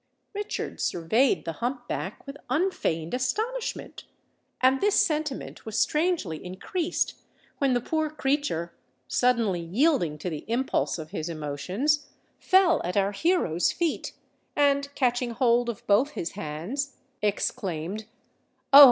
Richard surveyed the hump back with unfeigned astonishment;—and this sentiment was strangely increased, when the poor creature, suddenly yielding to the impulse of his emotions, fell at our hero's feet, and catching hold of both his hands, exclaimed, "Oh!